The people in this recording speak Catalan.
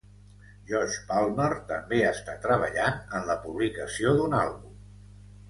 Josh Palmer també està treballant en la publicació d'un àlbum.